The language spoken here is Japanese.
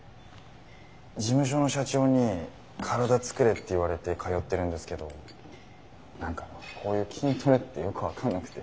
事務所の社長に身体作れって言われて通ってるんですけどなんかこういう筋トレってよく分かんなくて。